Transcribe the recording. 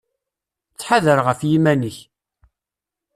Ttḥadar ɣef yiman-ik.